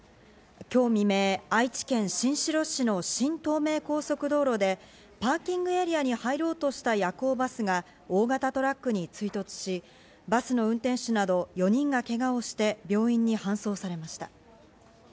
今日未明、愛知県新城市の新東名高速道路でパーキングエリアに入ろうとした夜行バスが大型トラックに追突し、バスの運転手など４人がけがをして病院に搬送されました。